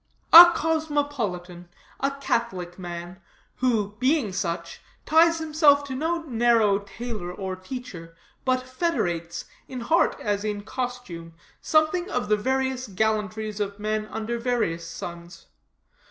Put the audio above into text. "A cosmopolitan, a catholic man; who, being such, ties himself to no narrow tailor or teacher, but federates, in heart as in costume, something of the various gallantries of men under various suns.